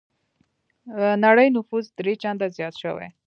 نړۍ نفوس درې چنده زيات شوی.